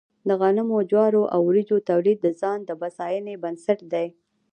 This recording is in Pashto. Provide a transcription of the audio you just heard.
د غنمو، جوارو او وريجو تولید د ځان بسیاینې بنسټ دی.